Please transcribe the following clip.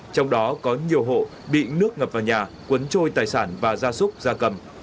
trong đó có nhiều hộ bị nước ngập vào nhà cuốn trôi tài sản và gia súc gia cầm